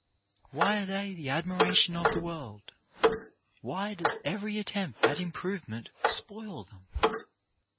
Why are they the admiration of the world? Why does every attempt at improvement spoil them?